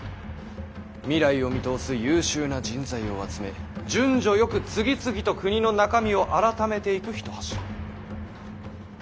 未来を見通す優秀な人材を集め順序よく次々と国の中身を改めていく一柱。